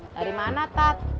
dari mana tat